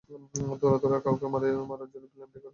তোরা- তোরা কাউকে মারার জন্য প্ল্যান করে ডেকে আনিস?